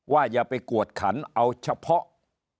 อย่าไปกวดขันเอาเฉพาะ